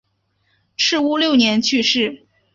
赤乌六年去世。